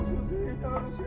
sus jangan sus